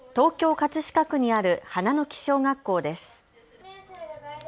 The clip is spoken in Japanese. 葛飾区にある花の木小学校です。